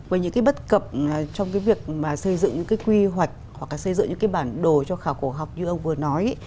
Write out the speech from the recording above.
với những cái bất cập trong cái việc mà xây dựng những cái quy hoạch hoặc là xây dựng những cái bản đồ cho khảo cổ học như ông vừa nói